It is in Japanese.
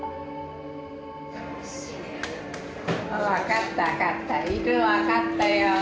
分かった分かった分かったよ